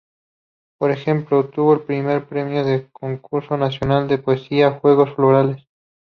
Por ejemplo, obtuvo el Primer Premio del Concurso Nacional de Poesía Juegos Florales.